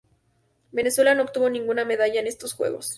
Venezuela no obtuvo ninguna medalla en estos Juegos.